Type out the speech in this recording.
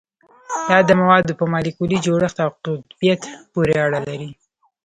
دا د موادو په مالیکولي جوړښت او قطبیت پورې اړه لري